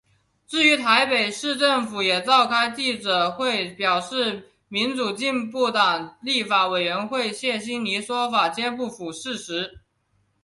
至于台北市政府也召开记者会表示民主进步党立法委员谢欣霓说法皆不符事实。